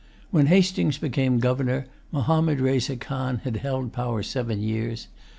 When Hastings became Governor, Mahommed Reza Khan had held power seven years.